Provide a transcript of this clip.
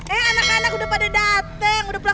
eh anak anak udah pada dateng